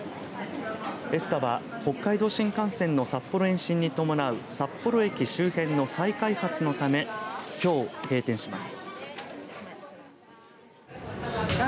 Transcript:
エスタは北海道新幹線の札幌延伸に伴う札幌駅周辺の再開発のためきょう閉店します。